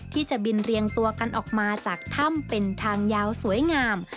ที่จะบินเรียงตัวกันออกมาจากถ้ำเป็นทางยาวสวยงาม